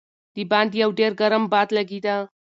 د باندې یو ډېر ګرم باد لګېده.